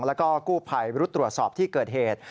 และกู้ไพรรุดตรวจสอบที่เกิดเหตุ